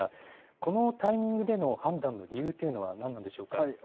このタイミングでの判断の理由というのは何でしょうか。